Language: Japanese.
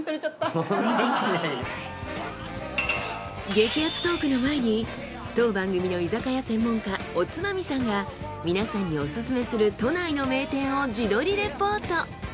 激アツトークの前に当番組の居酒屋専門家おつまみさんが皆さんにオススメする都内の名店を自撮りレポート。